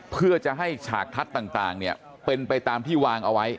เพื่อจะให้ฉากทัศน์ต่างเป็นไปตามที่วางเอาไว้